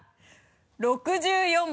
６４番。